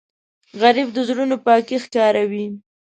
غریب د زړونو پاکی ښکاروي